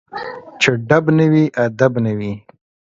چي ډب نه وي ، ادب نه وي